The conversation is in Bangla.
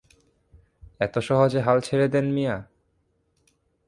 এত সহজে হাল ছেড়ে দেন মিয়া!